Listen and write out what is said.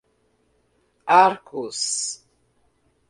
Arcos